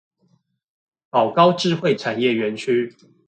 寶高智慧產業園區